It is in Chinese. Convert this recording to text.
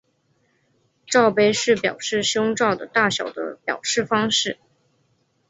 罩杯是表示胸罩的大小的表示方式。